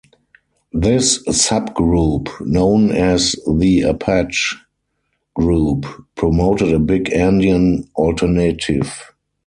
This subgroup, known as the Apache Group, promoted a big-endian alternative.